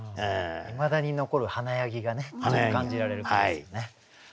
いまだに残る華やぎがね感じられる句ですよね。